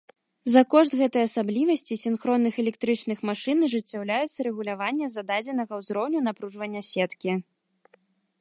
За кошт гэтай асаблівасці сінхронных электрычных машын ажыццяўляецца рэгуляванне зададзенага ўзроўню напружання сеткі.